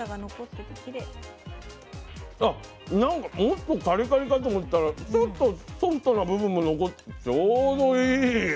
あなんかもっとカリカリかと思ったらちょっとソフトな部分も残ってちょうどいい。